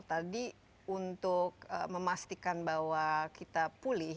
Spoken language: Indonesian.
tadi untuk memastikan bahwa kita pulih